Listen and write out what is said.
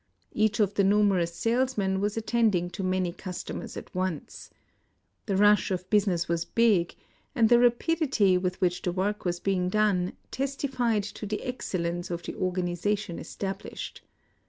Each of the numerous salesmen was attending to many customers at once. The rush of business was big; and the rapidity with which the work was being done testified IN OSAKA 181 to the excellence of the organization estab lished.